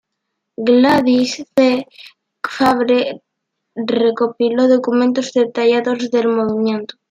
Gladys C. Fabre recopiló documentos detallados del movimiento.